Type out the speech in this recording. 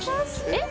えっ？